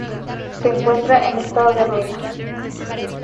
Se encuentra en estado de ruina.